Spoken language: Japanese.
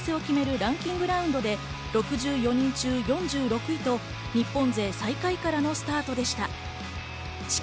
ランキングラウンドで６４人中４６位と、日本勢最下位からのスタートでした。